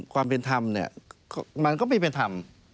ความเป็นธรรมเนี่ยมันก็ไม่เป็นธรรม